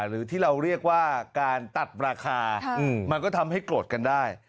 หรือที่เราเรียกว่าการตัดราคามันก็ทำให้โกรธกันได้